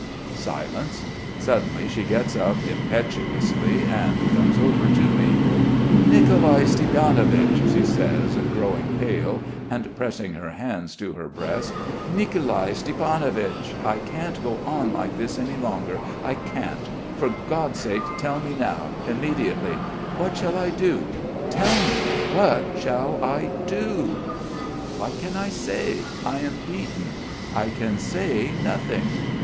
Silence. Suddenly she gets up impetuously and comes over to me. "Nicolai Stiepanich!" she says, growing pale and pressing her hands to her breast. "Nicolai Stiepanich! I can't go on like this any longer. I can't. For God's sake tell me now, immediately. What shall I do? Tell me, what shall I do?" "What can I say? I am beaten. I can say nothing."